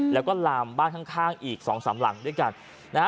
แล้วก็ลามบ้านข้างอีกสองสามหลังด้วยกันนะฮะ